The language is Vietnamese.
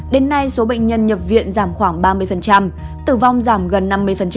đến nay số bệnh nhân nhập viện giảm khoảng ba mươi tử vong giảm gần năm mươi